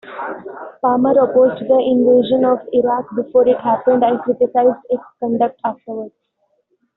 Palmer opposed the invasion of Iraq before it happened and criticized its conduct afterwards.